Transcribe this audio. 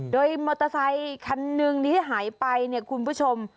โดยมอเตอร์ไซคันหนึ่งที่หายไปเนี่ยคุณผู้ชม